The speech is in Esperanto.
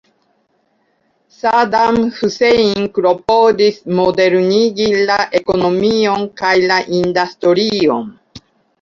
Saddam Hussein klopodis modernigi la ekonomion kaj la industrion.